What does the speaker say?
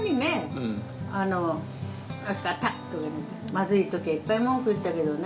まずいときはいっぱい文句言ったけどね。